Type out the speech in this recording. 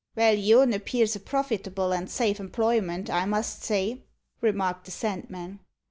"Vell, yourn appears a profitable and safe employment, I must say," remarked the Sandman.